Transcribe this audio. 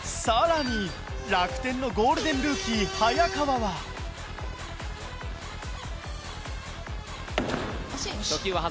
更に楽天のゴールデンルーキー早川は惜しい。